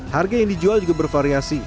harga yang dijual juga bervariasi